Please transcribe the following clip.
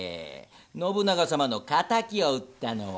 信長様の仇を討ったのは？